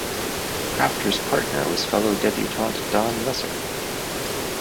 Crafter's partner was fellow debutant Don Weser.